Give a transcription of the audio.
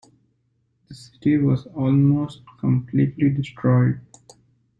The city was almost completely destroyed.